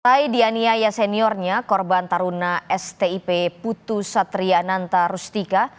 setelah dianiaya seniornya korban taruna stip putu satri ananta rustika